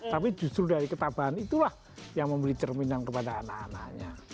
tapi justru dari ketabahan itulah yang memberi cerminan kepada anak anaknya